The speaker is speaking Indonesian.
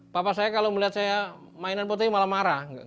papa saya kalau melihat saya mainan potehi malah marah